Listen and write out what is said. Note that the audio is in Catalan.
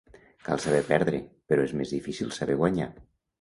Cal saber perdre, però és més difícil saber guanyar.